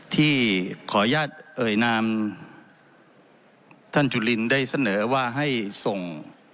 ที่ขออนุญาตเอ่ยนามท่านจุลินได้เสนอว่าให้ส่ง